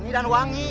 ini dan wangi